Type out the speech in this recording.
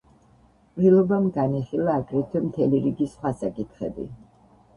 ყრილობამ განიხილა აგრეთვე მთელი რიგი სხვა საკითხები.